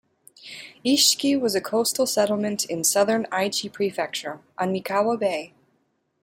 Isshiki was a coastal settlement in southern Aichi Prefecture, on Mikawa Bay.